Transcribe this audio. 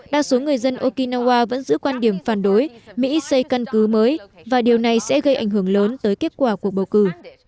đa số người dân okinawa vẫn giữ quan điểm phản đối mỹ xây căn cứ mới và điều này sẽ gây ảnh hưởng lớn tới kết quả cuộc bầu cử